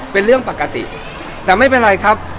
เป็นเรื่องปกติแต่ไม่เป็นไรครับ